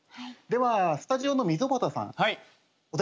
ではスタジオの溝端さん。